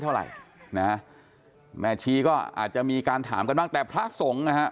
เท่าไหร่นะแหมชีก็อาจจะมีการถามว่างแต่พระสงค์เนี่ย